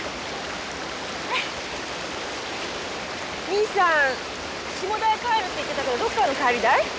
にいさん下田へ帰るって言ってたけどどっからの帰りだい？